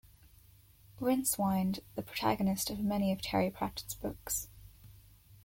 Rincewind, the protagonist of many of Terry Pratchett's books.